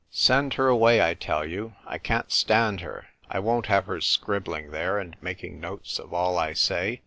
" Send her away ! I tell you I can't stand her. I won't have her scribbling there and making notes of all I say.